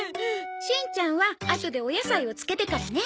しんちゃんはあとでお野菜を漬けてからね。